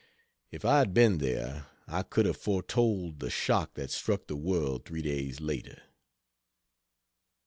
If I had been there I could have foretold the shock that struck the world three days later.